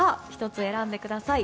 １つ選んでください。